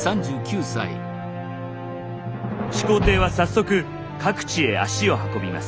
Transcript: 始皇帝は早速各地へ足を運びます。